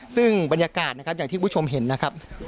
ซึ่งบรรยากาศนะครับอย่างที่คุณผู้ชมเห็นนะครับ